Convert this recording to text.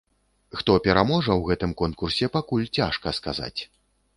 Хто пераможа ў гэтым конкурсе, пакуль цяжка сказаць.